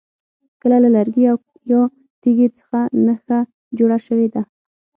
لکه له لرګي او یا تیږي څخه نښه جوړه شوې ده.